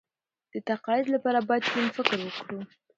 د تقاعد لپاره باید نن فکر وکړو.